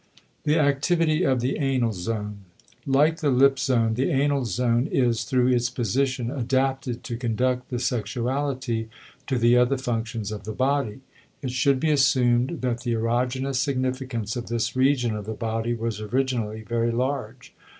*The Activity of the Anal Zone.* Like the lip zone the anal zone is, through its position, adapted to conduct the sexuality to the other functions of the body. It should be assumed that the erogenous significance of this region of the body was originally very large.